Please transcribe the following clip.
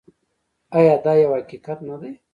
آیا دا یو حقیقت نه دی؟